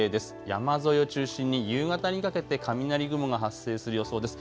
山沿いを中心に夕方にかけて雷雲が発生する予想です。